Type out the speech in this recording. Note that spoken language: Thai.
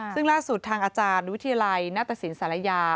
ซึ่งล่าสุดทางอาจารย์วิทยาลัยนัตตสินศาลายา